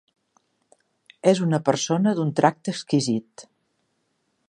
És una persona d'un tracte exquisit.